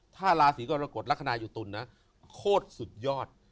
ถ้าราศีกรกฎลักษณะอยู่ตุลนะโคตรสุดยอด